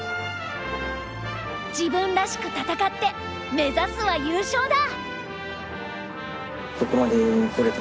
自分らしく戦って目指すは優勝だ！